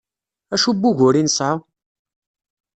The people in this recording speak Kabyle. Acu n wugur i nesɛa?